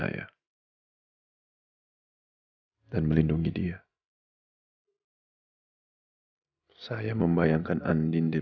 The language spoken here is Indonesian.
kamu ada di sini